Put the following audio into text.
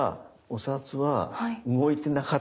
お札は動いてない？